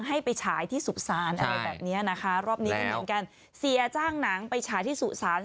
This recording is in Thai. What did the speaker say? ให้ไปฉายที่สุสานอะไรแบบเนี้ยนะคะรอบนี้ก็เหมือนกันเสียจ้างหนังไปฉายที่สุสาน